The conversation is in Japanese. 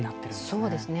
そうですね。